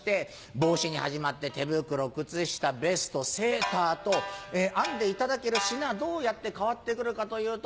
帽子に始まって手袋靴下ベストセーターと編んでいただける品どうやって変わってくるかというと